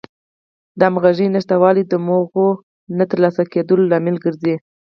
د همغږۍ نشتوالی د موخو نه تر سره کېدلو لامل ګرځي.